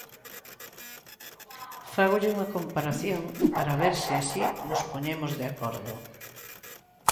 Fágolle unha comparación para ver se así nos poñemos de acordo.